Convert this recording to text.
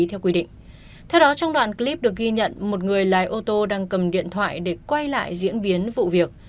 theo đó trong đoạn clip được ghi nhận một người lái ô tô đang cầm điện thoại để quay lại diễn biến vụ việc